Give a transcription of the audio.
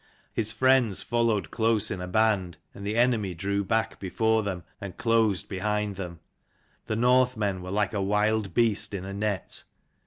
His friends followed close in a band, and the enemy drew back before them, and closed behind them. The Northmen were like a wild beast in a net.